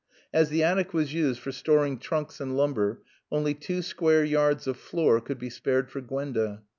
As the attic was used for storing trunks and lumber, only two square yards of floor could be spared for Gwenda.